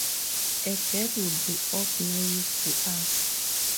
A girl would be of no use to us.